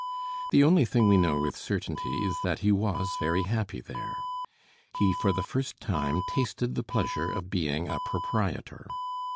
The only thing we know with certainty is that he was very happy there: he for the first time tasted the pleasure of being a proprietor.